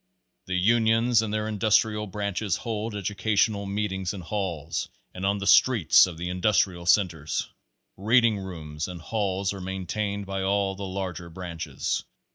The Unions and their Industrial Branches hold edu cational meetings in halls and on the streets of the in dustrial centers. Reading rooms and halls are main tained by all the larger Branches.